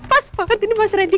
pas banget ini mas rendy